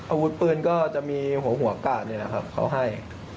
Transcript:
อาวุธปืนนะคะก็จะมีหัวหัวกากเนี่ยนะครับเขาให้